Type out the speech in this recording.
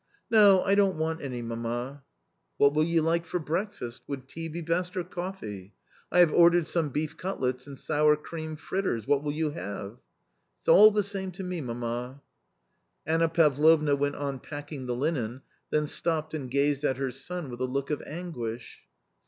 " No, I don't want any, mamma." r " What will you like for breakfast ? Would tea be best or ' coffee ? I have ordered some beef cutlets and sour cream fritters — what will you have ?"" It's all the same to me, mamma." Anna Pavlovna went on packing the linen, then stopped and gazed at her son with a look of anguish.